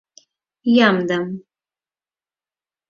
— Ямдым...